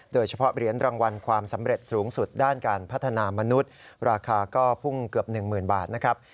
โดยเฉพาะเหรียญรางวัลความสำเร็จสูงสุดด้านการพัฒนามนุษย์ราคาก็พุ่งเกือบ๑๐๐๐บาทนะครับ